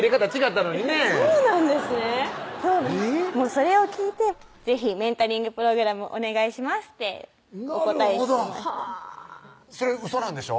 それを聞いて「是非メンタリングプログラムお願いします」ってお答えしましたなるほどそれウソなんでしょ？